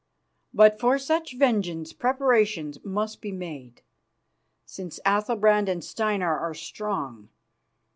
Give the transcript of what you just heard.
But for such vengeance preparations must be made, since Athalbrand and Steinar are strong.